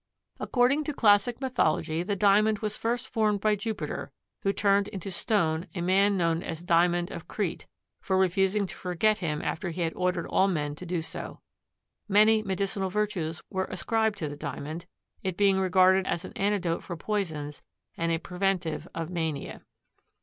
According to classical mythology the Diamond was first formed by Jupiter, who turned into stone a man known as Diamond of Crete, for refusing to forget him after he had ordered all men to do so. Many medicinal virtues were ascribed to the Diamond, it being regarded as an antidote for poisons and a preventive of mania.